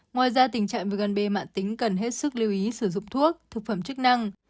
ngoài ra tình trạng viêm gan b mạng tính cần hết sức lưu ý sử dụng thuốc thực phẩm chức năng